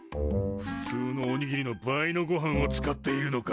ふつうのおにぎりの倍のごはんを使っているのか。